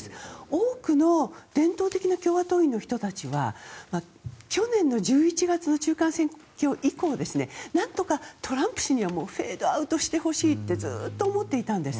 多くの伝統的な共和党員の人たちは去年１１月の中間選挙以降なんとか、トランプ氏にはフェードアウトしてほしいってずっと思っていたんです。